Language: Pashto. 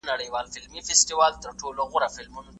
هر څه چې د کور لپاره مهم وي، ښځه باید په پام کې ونیسي.